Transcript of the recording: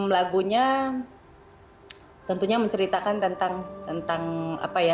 lagunya tentunya menceritakan tentang apa ya